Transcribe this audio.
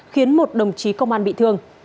khiến một đồng chí công an bị thương